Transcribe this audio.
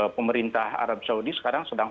pemerintah arab saudi sekarang sedang